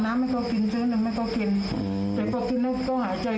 ไม่เข้ากินเดี๋ยวก็กินแล้วก็หาใจ